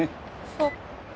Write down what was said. そう。